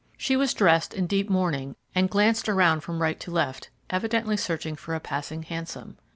She was dressed in deep mourning, and glanced around from right to left, evidently searching for a passing hansom.